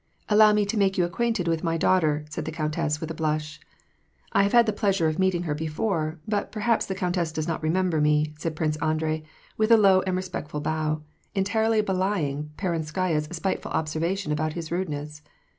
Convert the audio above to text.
" Allow me to make you acquainted with my daughter," said the countess, with a blush. " I have had the pleasure of meeting her before, but per haps the countess does not remember me," said Prince Andrei, with a Tow and respectful bow ; entirely belying Peron skaya's spiteful observation about his rudeness.